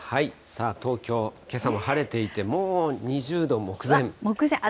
さあ、東京、けさも晴れていて、もう２０度目前。